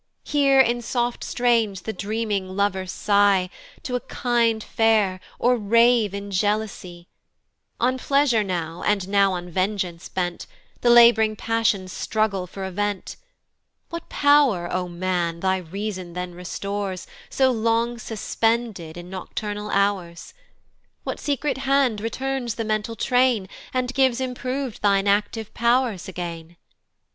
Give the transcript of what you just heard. Hear in soft strains the dreaming lover sigh To a kind fair, or rave in jealousy; On pleasure now, and now on vengeance bent, The lab'ring passions struggle for a vent. What pow'r, O man! thy reason then restores, So long suspended in nocturnal hours? What secret hand returns the mental train, And gives improv'd thine active pow'rs again?